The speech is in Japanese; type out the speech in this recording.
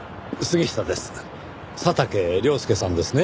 佐竹良輔さんですね？